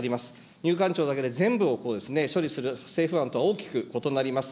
入管庁だけで全部を処理する政府案とは大きく異なります。